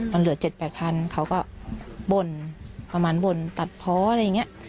มันเหลือเจ็ดแปดพันเขาก็บ่นประมาณบ่นตัดพ้ออะไรอย่างเงี้ย